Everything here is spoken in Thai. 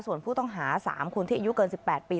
ส่วนผู้ต้องหา๓คนที่อายุเกิน๑๘ปี